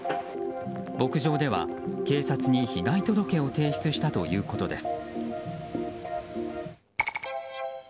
牧場では、警察に被害届を提出したということです。